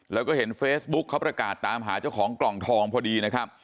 แล้วก็เห็นเฟซบุ๊คเขาประกาศตามหาเจ้าของกล่องทองพอดีนะครับ